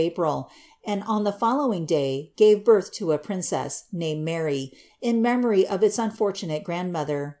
April, and on the following day gave birlh lo a princns, nanad Kuji in memory of its onforlunate grendroother.